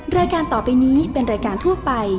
รายการต่อไปนี้เป็นรายการทั่วไป